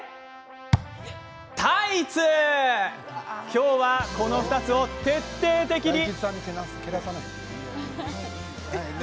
今日は、この２つを徹底的に。